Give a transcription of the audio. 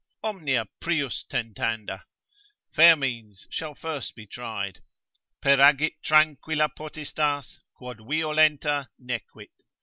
Omnia prius tentanda, fair means shall first be tried. Peragit tranquilla potestas, Quod violenta nequit.